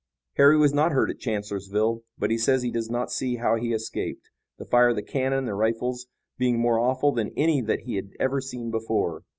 Harry was not hurt at Chancellorsville, but he says he does not see how he escaped, the fire of the cannon and rifles being more awful than any that he had ever seen before.